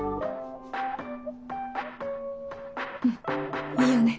うんいいよね